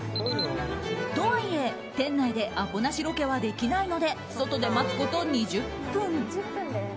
とはいえ、店内でアポなしロケはできないので外で待つこと２０分。